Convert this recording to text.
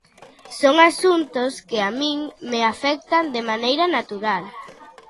Son asuntos que a min me afectan de maneira natural.